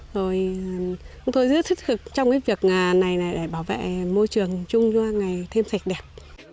rồi chúng tôi rất thiết thực trong việc này để bảo vệ môi trường chung cho ngày thêm sạch đẹp